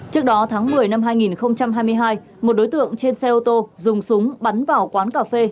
trước đó tháng một mươi năm hai nghìn hai mươi hai một đối tượng trên xe ô tô dùng súng bắn vào quán cà phê